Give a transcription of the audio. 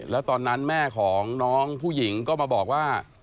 แล้วตอนนั้นแม่ของน้องผู้หญิงก็มาบอกว่า